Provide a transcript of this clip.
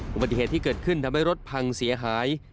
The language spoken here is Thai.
อุบัติเหตุที่เกิดขึ้นทำให้รถพังเสียหาย